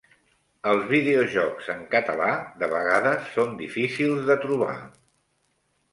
Els videojocs en català de vegades són difícils de trobar.